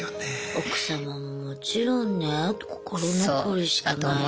奥様ももちろんね心残りしかない。